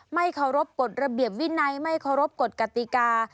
ไม่เคารพกฎระเบียบวินัยไม่เคารพกฎกติกา